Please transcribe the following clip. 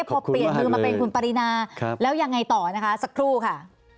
พอเปลี่ยนมือมาเป็นคุณปรินาแล้วยังไงต่อนะคะสักครู่ค่ะ